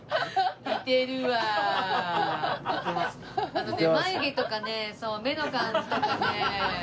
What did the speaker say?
あのね眉毛とかね目の感じとかね。